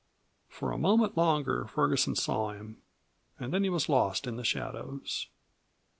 For a moment longer Ferguson saw him, and then he was lost in the shadows.